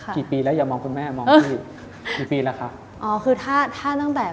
กี่ปีแล้วอย่ามองคุณแม่